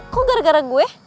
kok gara gara gue